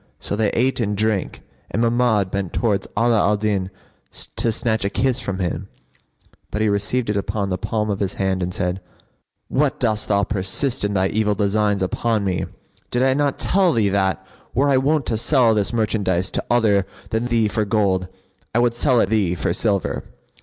So they ate and drank and Mahmud bent towards Ala al Din to snatch a kiss from him; but he received it upon the palm of his hand and said, "What, dost thou persist in thy evil designs upon me? Did I not tell thee that, were I wont to sell this merchandise to other than thee for gold, I would sell it thee for silver?"